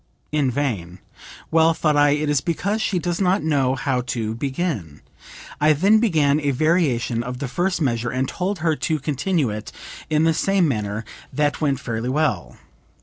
In vain. Well, thought I, it is because she does not know how to begin. I then began a variation of the first measure and told her to continue it in the same manner; that went fairly well.